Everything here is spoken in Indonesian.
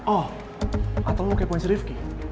oh atau lo kepoin si rifki